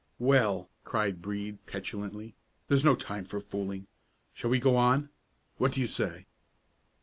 "Well," cried Brede, petulantly, "there's no time for fooling. Shall we go on? What do you say?"